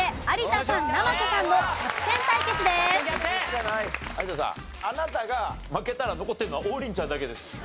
有田さんあなたが負けたら残っているのは王林ちゃんだけです。